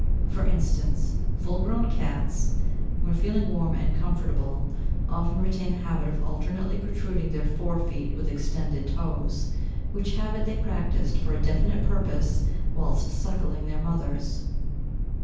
For instance, full grown cats, when feeling warm and comfortable, often retain the habit of alternately protruding their fore feet with extended toes, which habit they practised for a definite purpose whilst sucking their mothers.